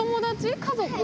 家族？